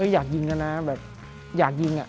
อยากยิงกันนะแบบอยากยิง